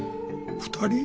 ２人？